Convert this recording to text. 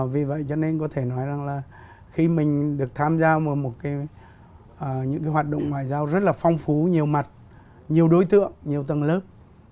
vì vậy cho nên có thể nói là khi mình được tham gia vào một cái những cái hoạt động ngoại giao rất là phong phú nhiều mặt nhiều đối tượng nhiều tầng lớp